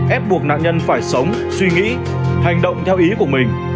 ép buộc nạn nhân phải sống suy nghĩ hành động theo ý của mình